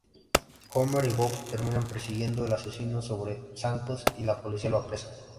Homer y Bob terminan persiguiendo al asesino sobre zancos, y la policía lo apresa.